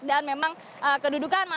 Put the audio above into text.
dan memang kedudukan